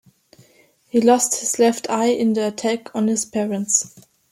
He lost his left eye in the attack on his parents.